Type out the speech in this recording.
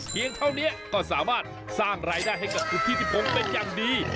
เท่านี้ก็สามารถสร้างรายได้ให้กับคุณธิติพงศ์เป็นอย่างดี